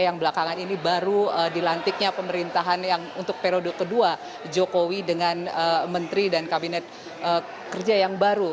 yang belakangan ini baru dilantiknya pemerintahan yang untuk periode kedua jokowi dengan menteri dan kabinet kerja yang baru